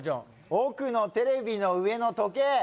奥のテレビの上の時計